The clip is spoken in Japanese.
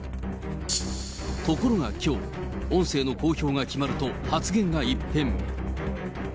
ところがきょう、音声の公表が決まると、発言が一変。